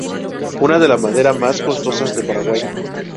Una de las maderas más costosas de Paraguay.